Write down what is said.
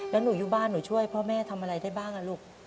แล้วหนูอยู่บ้านหนูช่วยพ่อแม่ทำอะไรได้บ้างลูก